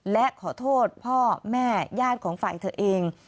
และขอโทษพ่อแม่ญาติของฝ่ายเธอเอง